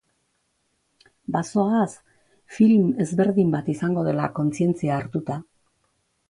Bazoaz, film ezberdin bat izango dela kontzientzia hartuta.